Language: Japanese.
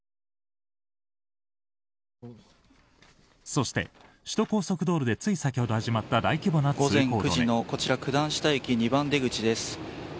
そして、首都高速道路でつい先ほど始まった午前９時の九段下駅２番出口です。